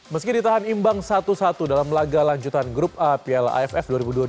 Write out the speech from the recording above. meski ditahan imbang satu satu dalam laga lanjutan grup a piala aff dua ribu dua puluh